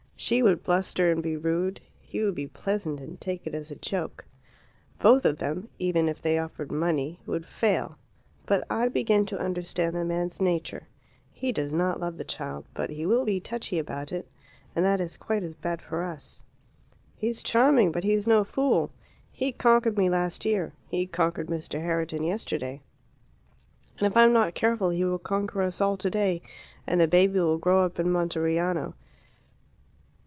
She would bluster and be rude; he would be pleasant and take it as a joke. Both of them even if they offered money would fail. But I begin to understand the man's nature; he does not love the child, but he will be touchy about it and that is quite as bad for us. He's charming, but he's no fool; he conquered me last year; he conquered Mr. Herriton yesterday, and if I am not careful he will conquer us all today, and the baby will grow up in Monteriano.